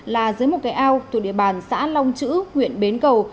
là dưới một cây ao thuộc địa bàn xã long chữ huyện bến cầu